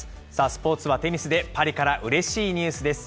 スポーツはテニスで、パリからうれしいニュースです。